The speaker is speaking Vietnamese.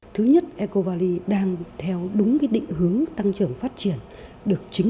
thứ nhất ecovalley đang theo đúng định hướng tăng trưởng phát triển